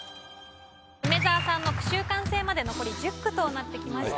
梅沢さんの句集完成まで残り１０句となってきました。